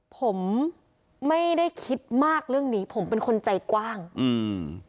ผมไม่ได้คิดมากเรื่องนี้ผมเป็นคนใจกว้างอืม